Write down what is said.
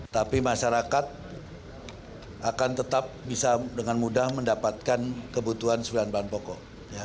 tapi masyarakat akan tetap bisa dengan mudah mendapatkan kebutuhan sembilan bahan pokok